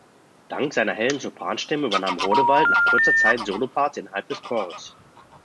Dank seiner hellen Sopranstimme übernahm Rodewald nach kurzer Zeit Soloparts innerhalb des Chores.